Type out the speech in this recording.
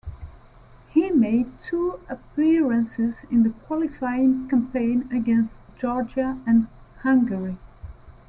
He made two appearances in the qualifying campaign against Georgia and Hungary.